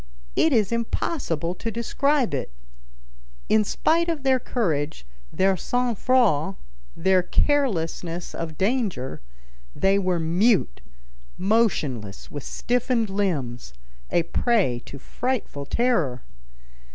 It is impossible to describe it. In spite of their courage, their sang froid, their carelessness of danger, they were mute, motionless with stiffened limbs, a prey to frightful terror.